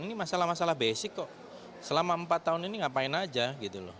ini masalah masalah basic kok selama empat tahun ini ngapain aja gitu loh